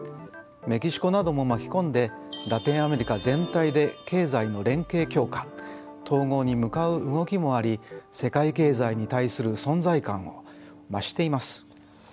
メキシコなども巻き込んでラテンアメリカ全体で経済の連携強化・統合に向かう動きもあり世界経済に対する存在感を増しています。